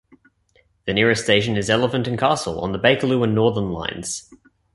The nearest station is Elephant and Castle on the Bakerloo and Northern lines.